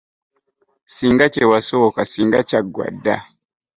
Ssinga kye wasooka ssinga kyaggwa dda.